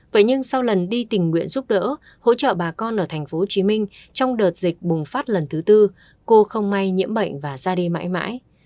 vậy nhưng sau lần đi tình nguyện giúp đỡ hỗ trợ bà con ở tp hcm trong đợt dịch bùng phát lần thứ tư cô không may nhiễm bệnh và ra đi mãi mãi